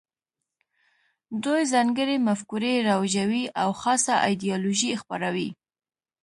دوی ځانګړې مفکورې رواجوي او خاصه ایدیالوژي خپروي